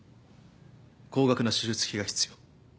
高額な手術費が必要。